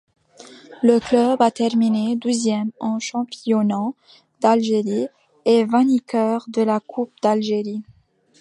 Le club a terminé douzième en championnat d'Algérie, et vainqueur de la Coupe d'Algérie.